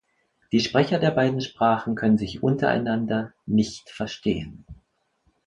Die Sprecher der beiden Sprachen können sich untereinander nicht verstehen.